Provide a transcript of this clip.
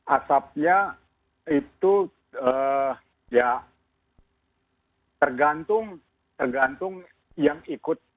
asapnya itu ya tergantung tergantung yang ikut